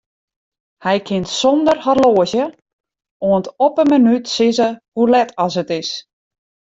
Hy kin sonder horloazje oant op 'e minút sizze hoe let as it is.